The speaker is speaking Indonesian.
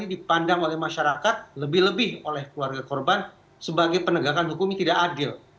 ini dipandang oleh masyarakat lebih lebih oleh keluarga korban sebagai penegakan hukum yang tidak adil